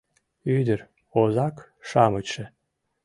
Ӱдыр, озак-шамычше